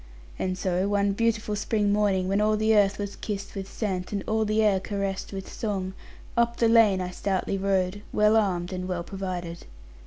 And so, one beautiful spring morning, when all the earth was kissed with scent, and all the air caressed with song, up the lane I stoutly rode, well armed, and well provided.